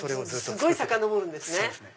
すごいさかのぼるんですね。